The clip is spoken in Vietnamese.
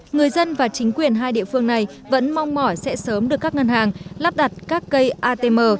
người dân và chính quyền hai địa phương này vẫn mong mỏi sẽ sớm được các ngân hàng lắp đặt các cây atm